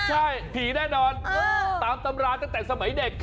ใช่ผีแน่นอนตามตำราตั้งแต่สมัยเด็ก